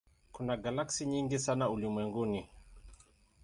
Kuna galaksi nyingi sana ulimwenguni.